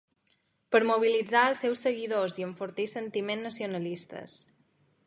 Per mobilitzar els seus seguidors i enfortir sentiments nacionalistes.